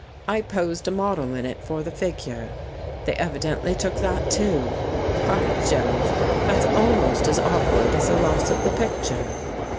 " I posed a model in it for the figure. They evidently took that, too. By Jove ! That's almost as awkward as the loss of the picture."